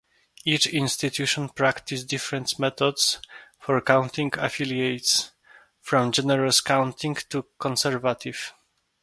Each institution practices different methods for counting affiliates, from generous counting to conservative.